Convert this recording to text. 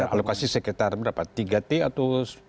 alokasi sekitar berapa tiga t atau